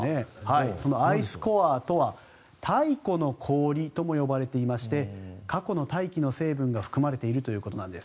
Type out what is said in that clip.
そのアイスコアとは太古の氷とも呼ばれていまして過去の大気の成分が含まれているということです。